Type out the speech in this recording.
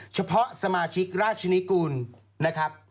เฉพาะสมาชิกราชนิกุลนะครับ